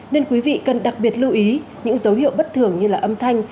nên quý vị cần đặc biệt lưu ý những dấu hiệu bất thường như là âm thanh